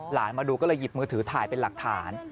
มาดูก็เลยหยิบมือถือถ่ายเป็นหลักฐาน